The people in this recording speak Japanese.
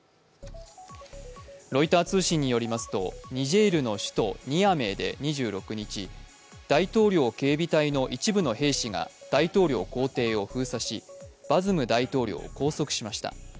ロイター通信によりますと、ニジェールの首都ニアメーで２６日、大統領警備隊の一部の兵士が大統領公邸を封鎖しバズム大統領を拘束しました。